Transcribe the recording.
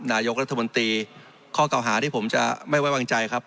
นายกรัฐมนตรีข้อเก่าหาที่ผมจะไม่ไว้วางใจครับ